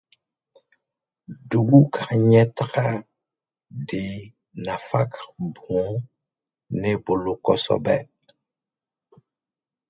Dugu ka ɲɛtaa de nafa ka bon ne bolo kosɛbɛ.